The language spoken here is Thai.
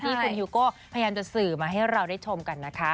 ที่คุณฮิวโก้พยายามจะสื่อมาให้เราได้ชมกันนะคะ